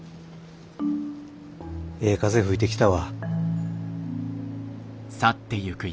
ええ風吹いてきたわ。